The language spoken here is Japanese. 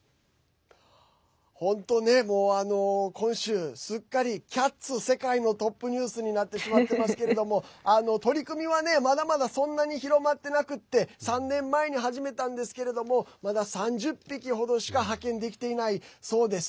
本当ね、今週、すっかり「キャッツ！世界のトップニュース」になってしまってますけれども取り組みはね、まだまだそんなに広まってなくって３年前に始めたんですけれどもまだ３０匹程しか派遣できていないそうです。